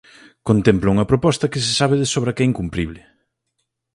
Contempla unha proposta que se sabe de sobra que é incumpríbel.